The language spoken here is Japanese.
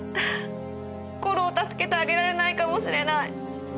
コロを助けてあげられないかもしれない。